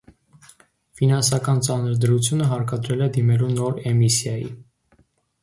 Ֆինանսական ծանր դրությունը հարկադրել է դիմելու նոր էմիսիայի։